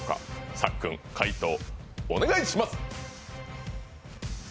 さっくん、解答お願いします！